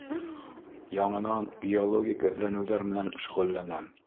Яңынан геологик эҙләнеүҙәр менән шөғөлләнәм.